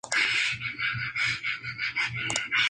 Fue enterrado en el Cementerio Viejo de Neuilly-sur-Seine.